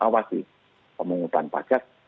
awasi pemungutan pajak